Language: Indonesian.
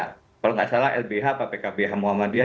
kalau tidak salah lbh atau pkbh muhammadiyah